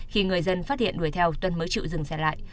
khi người dân phát hiện đuổi theo tuân mới chịu dừng xe lại